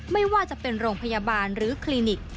ไม่ว่าจะเป็นโรงพยาบาลหรือคลินิก